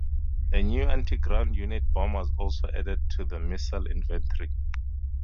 A new anti-ground unit bomb was also added to the missile inventory.